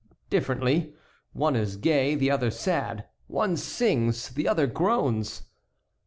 "Differently. One is gay, the other sad; one sings, the other groans."